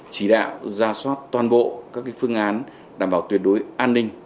chỉ đạo ra soát toàn bộ các phương án đảm bảo tuyệt đối an ninh